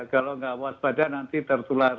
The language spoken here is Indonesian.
kalau nggak waspada nanti tertular